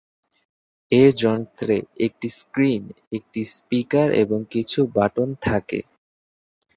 এ যন্ত্রে একটি স্ক্রিন, একটি স্পীকার এবং কিছু বাটন থাকে।